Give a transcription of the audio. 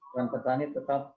dan petani tetap